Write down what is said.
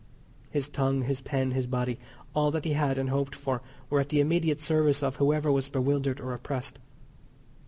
His tongue, his pen, his body, all that he had and hoped for were at the immediate service of whoever was bewildered or oppressed.